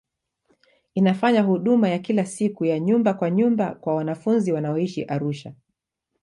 Inafanya huduma ya kila siku ya nyumba kwa nyumba kwa wanafunzi wanaoishi Arusha.